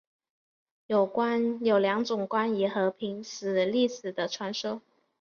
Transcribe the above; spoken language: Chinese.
有两种关于和平寺历史的传说。